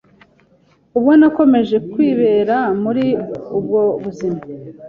ubwo nakomeje kwibera muri ubwo buzima,